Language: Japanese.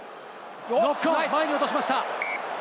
ノックオン、前に落としました。